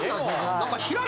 何か。